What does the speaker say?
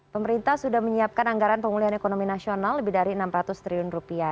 pemerintah sudah menyiapkan anggaran pemulihan ekonomi nasional lebih dari enam ratus triliun rupiah